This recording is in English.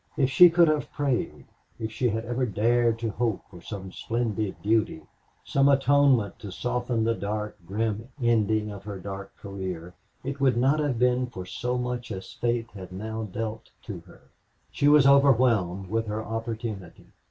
If she could have prayed, if she had ever dared to hope for some splendid duty, some atonement to soften the dark, grim ending of her dark career, it would not have been for so much as fate had now dealt to her. She was overwhelmed with her opportunity.